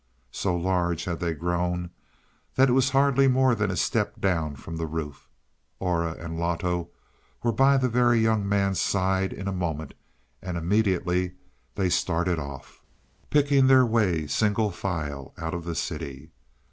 So large had they grown that it was hardly more than a step down from the roof; Aura and Loto were by the Very Young Man's side in a moment, and immediately they started off, picking their way single file out of the city.